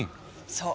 そう。